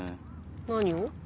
何を？